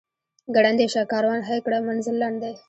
ګړندی شه کاروان هی کړه منزل لنډ دی.